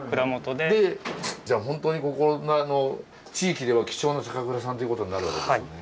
じゃあホントにここ地域では貴重な酒蔵さんということになるわけですよね。